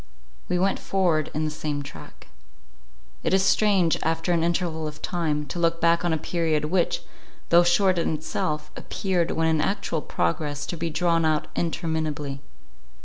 We went forward in the same track. It is strange, after an interval of time, to look back on a period, which, though short in itself, appeared, when in actual progress, to be drawn out interminably.